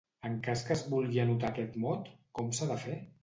En cas que es vulgui anotar aquest mot, com s'ha de fer?